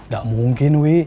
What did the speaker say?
gak mungkin wi